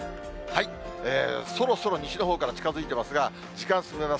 そろそろ西のほうから近づいてますが、時間進めます。